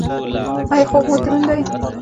ایا خوب مو دروند دی؟